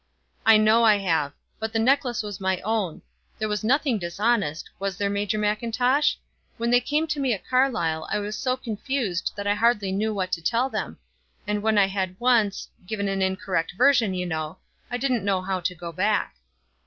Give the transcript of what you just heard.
"I know I have. But the necklace was my own. There was nothing dishonest; was there, Major Mackintosh? When they came to me at Carlisle I was so confused that I hardly knew what to tell them. And when I had once given an incorrect version, you know, I didn't know how to go back."